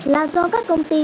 là do các công ty